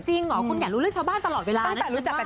จริงเหรอคุณอยากรู้เรื่องชาวบ้านตลอดเวลานะ